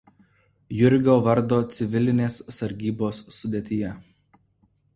Jurgio vardo civilinės sargybos sudėtyje.